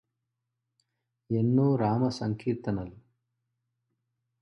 ఎన్నో రామ సంకీర్తనలు